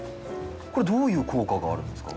これどういう効果があるんですか？